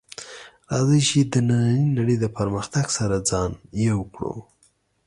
راځئ چې د نننۍ نړۍ د پرمختګ سره ځان یو کړو